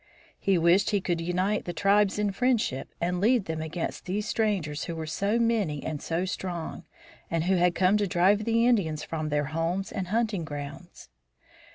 He wished he could unite the tribes in friendship and lead them against these strangers who were so many and so strong, and who had come to drive the Indians from their homes and hunting grounds.